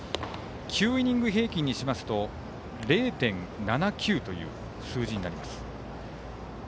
９イニング平均にしますと０．７９という数字になります。